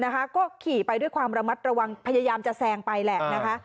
ก็ขี่ไปด้วยความระมัดระวังพยายามจะแซงไปแหละนะคะ